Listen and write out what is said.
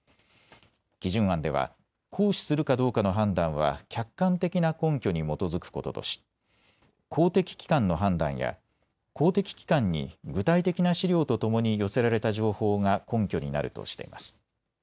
基準案では行使するかどうかの判断は客観的な根拠に基づくこととし、公的機関の判断や、公的機関に具体的な資料とともに寄せられた情報が根拠になるとしています。